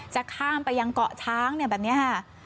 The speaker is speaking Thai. จะข้ามไปยังเกาะช้างแบบนี้ค่ะ